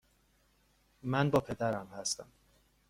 من با پدرم هستم.